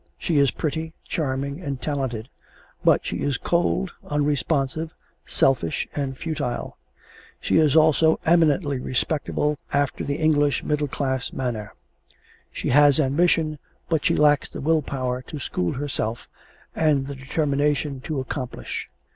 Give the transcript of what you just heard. She is pretty, charming, and talented; but she is cold, unresponsive, selfish, and futile. She is also eminently respectable after the English middle class manner. She has ambition, but she lacks the will power to school herself and the determination to accomplish.